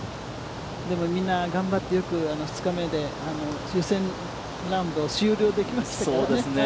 でも、みんな頑張ってよく２日目ね、予選ラウンドを終了できましたからね。